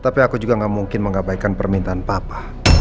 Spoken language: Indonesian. tapi aku juga gak mungkin mengabaikan permintaan papa